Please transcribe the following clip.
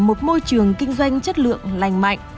một môi trường kinh doanh chất lượng lành mạnh